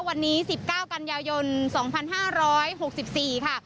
วันนี้๑๙กันยายน๒๕๖๔ค่ะ